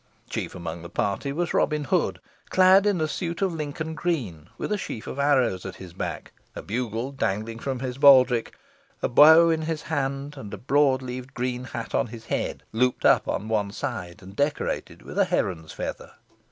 Chief amongst the party was Robin Hood clad in a suit of Lincoln green, with a sheaf of arrows at his back, a bugle dangling from his baldric, a bow in his hand, and a broad leaved green hat on his head, looped up on one side, and decorated with a heron's feather.